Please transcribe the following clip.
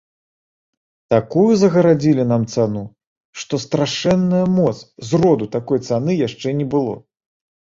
Такую загарадзілі нам цану, што страшэнная моц, зроду такой цаны яшчэ не было.